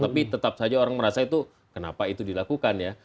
tapi tetap saja orang merasa itu kenapa itu dilakukan ya